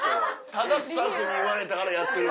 ただスタッフに言われたからやってる。